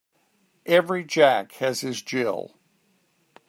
Every Jack has his Jill.